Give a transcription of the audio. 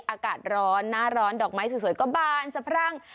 อากาศร้อนหน้าร้อนดอกไม้สวยก็บานสะพรั่ง